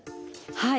はい。